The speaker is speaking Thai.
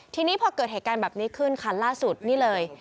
ทีนี้พอเกิดเหตุการณ์แบบนี้ขึ้นคันล่าสุดนี่เลย